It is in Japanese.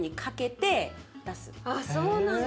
あっそうなんだ。